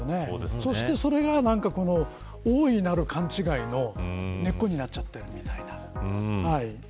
そして、それが大いなる勘違いの根っこになっちゃっているみたいな。